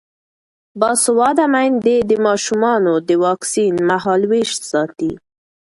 باسواده میندې د ماشومانو د واکسین مهالویش ساتي.